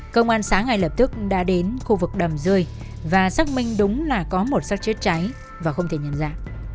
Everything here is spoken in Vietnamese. công an xã ngay lập tức đã đến khu vực đầm rơi và xác minh đúng là có một sắc chết cháy và không thể nhận ra